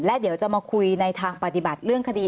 และเดี๋ยวจะมาคุยในทางปฏิบัติเรื่องคดี